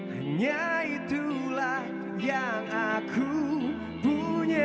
hanya itulah yang aku punya